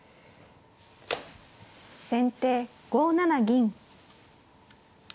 先手５七銀。